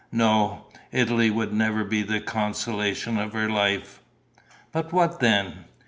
No, Italy would never be the consolation of her life.... But what then?